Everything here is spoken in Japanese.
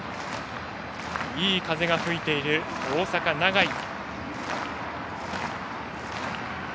いい風が吹いている大阪・長居。